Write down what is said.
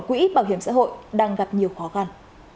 quỹ bảo hiểm xã hội đang gặp nhiều khó khăn